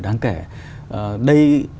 đáng kể đây